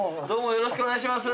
よろしくお願いします。